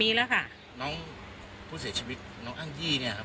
ปีแล้วค่ะน้องผู้เสียชีวิตน้องอ้างยี่เนี่ยครับ